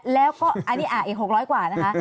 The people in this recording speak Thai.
แล้วก็อันนี้อีก๖๐๐กว่านะคะ